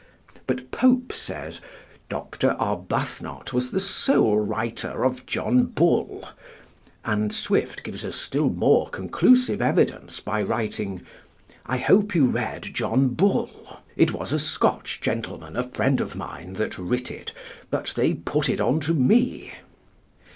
But Pope says, "Dr. Arbuthnot was the sole writer of 'John Bull'"; and Swift gives us still more conclusive evidence by writing, "I hope you read 'John Bull.' It was a Scotch gentleman, a friend of mine, that writ it; but they put it on to me."